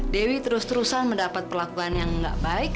dewi terus terusan mendapat perlakuan yang tidak terlalu baik